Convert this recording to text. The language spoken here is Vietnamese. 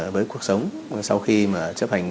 với cuộc sống sau khi mà chấp hành